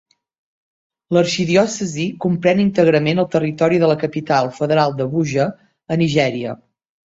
L'arxidiòcesi comprèn íntegrament el territori de la Capital Federal d'Abuja, a Nigèria.